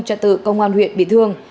cho tự công an huyện bị thương